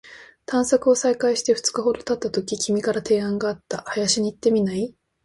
探索を再開して二日ほど経ったとき、君から提案があった。「林に行ってみない？」